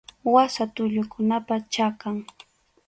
Wasa tullukunapa chakan.